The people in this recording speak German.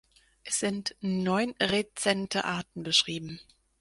Es sind neun rezente Arten beschrieben.